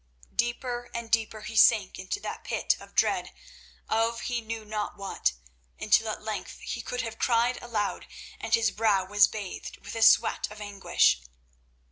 Deeper and deeper he sank into that pit of dread of he knew not what, until at length he could have cried aloud, and his brow was bathed with a sweat of anguish.